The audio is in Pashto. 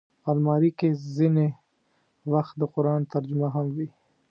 الماري کې ځینې وخت د قرآن ترجمه هم وي